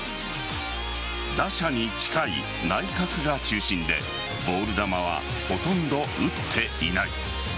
打者に近い内角が中心でボール球はほとんど打っていない。